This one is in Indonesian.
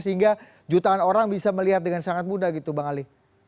sehingga jutaan orang bisa melihat dengan sangat mudah gitu bang ali